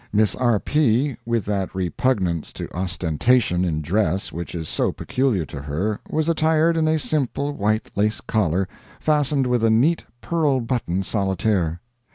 Miss R. P., with that repugnance to ostentation in dress which is so peculiar to her, was attired in a simple white lace collar, fastened with a neat pearl button solitaire.